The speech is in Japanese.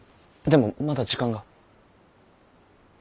でもまだ時間が。